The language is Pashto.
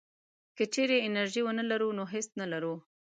که چېرې انرژي ونه لرو نو هېڅ نه لرو.